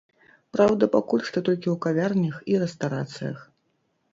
Праўда, пакуль што толькі ў кавярнях і рэстарацыях.